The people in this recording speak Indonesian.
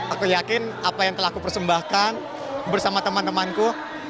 aku yakin apa yang telah aku persembahkan bersama teman temanku